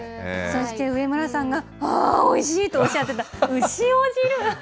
そして上村さんが、ああ、おいしいとおっしゃってたうしお汁。